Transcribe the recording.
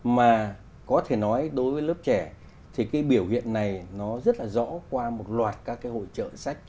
mà có thể nói đối với lớp trẻ thì cái biểu hiện này nó rất là rõ qua một loạt các cái hội trợ sách